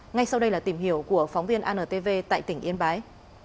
ngay sau đây là tìm hiểu của phóng viên antv tại tỉnh yên bái